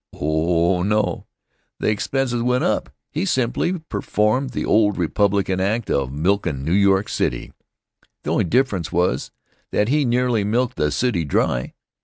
Oh, no! The expenses went up. He simply performed the old Republican act of milkin' New York City. The only difference was that he nearly milked the city dry.